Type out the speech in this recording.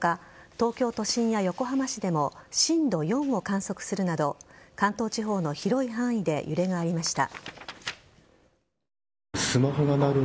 東京都心や横浜市でも震度４を観測するなど関東地方の広い範囲で揺れがありました。